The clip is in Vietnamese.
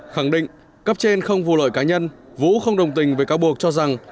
khẳng định cấp trên không vụ lợi cá nhân vũ không đồng tình với cáo buộc cho rằng